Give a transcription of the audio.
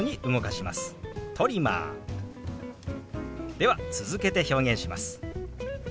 では続けて表現します。